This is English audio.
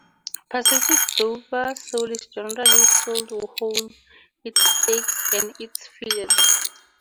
Pacific Dover sole is generally sold whole, in steaks, or in fillets.